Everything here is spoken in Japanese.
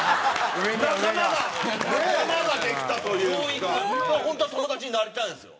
仲間が仲間ができたというか本当は友達になりたいんですよ。